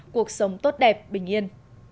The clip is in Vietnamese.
cuộc sống tốt đẹp bình yên